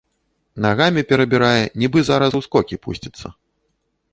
Нагамі перабірае, нібы зараз у скокі пусціцца.